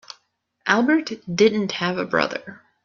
Albert didn't have a brother.